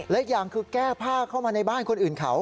และอย่างคือแก้ผ้าเข้ามาในบ้านคนอื่นเขา